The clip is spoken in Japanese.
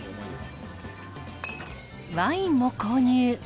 ワインも購入。